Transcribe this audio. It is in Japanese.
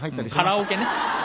カラオケね。